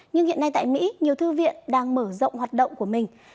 nhưng hiện nay tại mỹ nhiều thư viện đang mở rộng hoạt động của mình